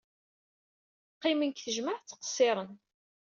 Qqimen deg tejmaɛt ttqeṣṣiren.